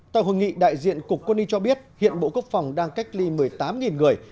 tại hội nghị đại diện cục quân y cho biết hiện bộ quốc phòng đang cách ly một mươi tám người